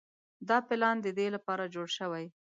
دا پلان د دې لپاره جوړ شوی.